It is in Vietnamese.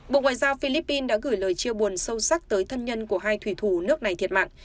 bộ ngoại giao philippines đã gửi lời chia buồn sâu sắc tới thân nhân của hai thủy thủ nước này thiệt mạng